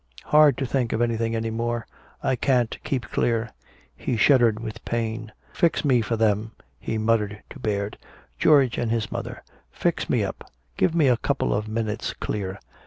"Hard to think of anything any more. I can't keep clear." He shuddered with pain. "Fix me for them," he muttered to Baird. "George and his mother. Fix me up give me a couple of minutes clear.